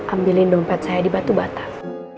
ambilin dompet saya di batu batam